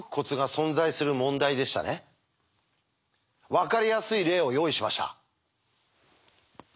分かりやすい例を用意しました。